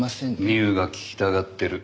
ミウが聞きたがってる。